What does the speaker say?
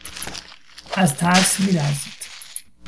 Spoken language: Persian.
از ترس میلرزید.